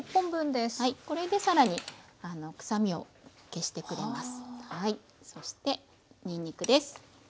これで更にくさみを消してくれます。